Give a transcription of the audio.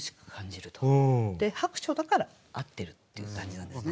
薄暑だから合ってるっていう感じなんですね。